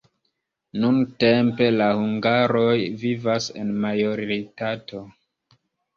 Nuntempe la hungaroj vivas en majoritato.